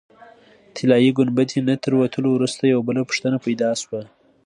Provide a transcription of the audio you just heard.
طلایي ګنبدې نه تر وتلو وروسته یوه بله پوښتنه پیدا شوه.